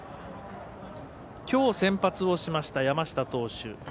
きょう先発をしました山下投手。